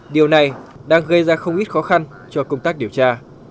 điều này đang gây ra không ít khó khăn cho công tác điều tra